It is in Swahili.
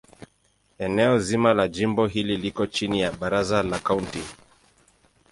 Eneo zima la jimbo hili liko chini ya Baraza la Kaunti.